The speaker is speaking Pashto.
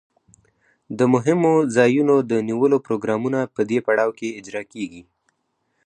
د مهمو ځایونو د نیولو پروګرامونه په دې پړاو کې اجرا کیږي.